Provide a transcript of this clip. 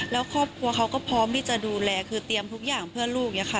แล้วครอบครัวเขาก็พร้อมที่จะดูแลคือเตรียมทุกอย่างเพื่อลูกอย่างนี้ค่ะ